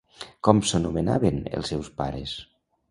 Com s'anomenaven els seus pares?